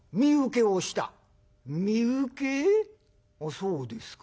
そうですか。